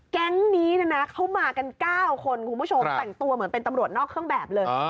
แก๊งนี้เข้ามากัน๙คนคุณผู้ชมแต่งตัวเหมือนเป็นตำรวจนอกเครื่องแบบเลย